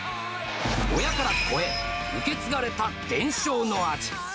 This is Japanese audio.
親から子へ、受け継がれた伝承の味。